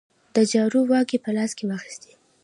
د چارو واګې په لاس کې واخیستې.